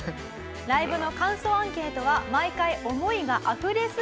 「ライブの感想アンケートは毎回思いがあふれすぎて」